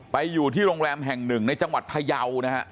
อยู่ที่โรงแรมแห่งหนึ่งในจังหวัดพยาวนะฮะ